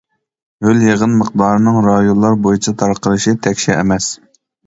ھۆل-يېغىن مىقدارىنىڭ رايونلار بويىچە تارقىلىشى تەكشى ئەمەس.